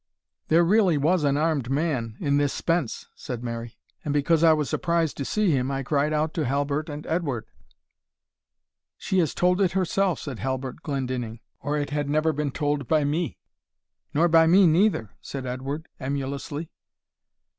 "There really was an armed man in this spence," said Mary; "and because I was surprised to see him, I cried out to Halbert and Edward " "She has told it herself," said Halbert Glendinning, "or it had never been told by me." "Nor by me neither," said Edward, emulously.